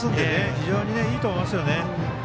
非常にいいと思いますよね。